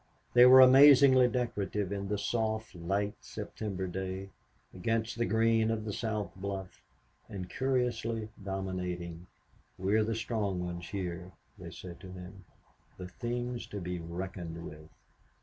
They were amazingly decorative in the soft, late September day, against the green of the south bluff, and curiously dominating. "We are the strong things here," they said to him, "the things to be reckoned with."